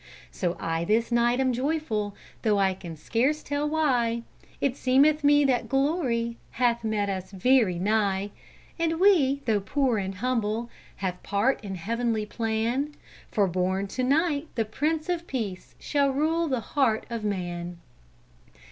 So I this night am joyful, Though I can scarce tell why, It seemeth me that glory Hath met us very nigh; And we, though poor and humble, Have part in heavenly plan, For, born to night, the Prince of Peace Shall rule the heart of man.